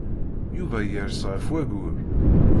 Yuba yers ɣef wayyur.